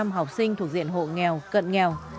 bốn mươi học sinh thuộc diện hộ nghèo cận nghèo